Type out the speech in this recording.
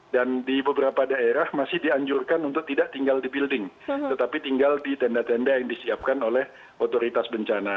dan di beberapa daerah masih dianjurkan untuk tidak tinggal di building tetapi tinggal di tenda tenda yang disiapkan oleh otoritas bencana